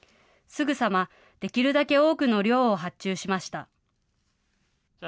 すぐさまできるだけ多くの量を発注しました。